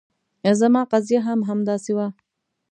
زما قضیه هم همداسې وه.